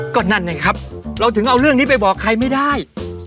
ก็นั่นไงครับเราถึงเอาเรื่องนี้ไปบอกใครไม่ได้